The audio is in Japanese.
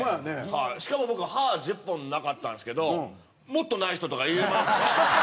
しかも僕歯１０本なかったんですけどもっとない人とかいますよね。